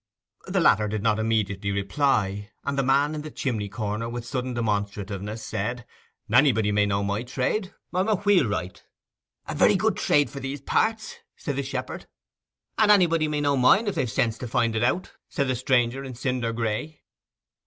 The latter did not immediately reply, and the man in the chimney corner, with sudden demonstrativeness, said, 'Anybody may know my trade—I'm a wheelwright.' 'A very good trade for these parts,' said the shepherd. 'And anybody may know mine—if they've the sense to find it out,' said the stranger in cinder gray.